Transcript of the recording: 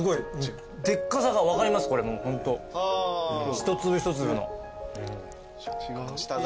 一粒一粒の。